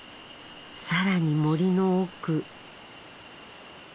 更に森の奥。